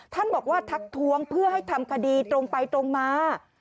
ท่านบอกว่าทักท้วงเพื่อให้ทำคดีตรงไปตรงมา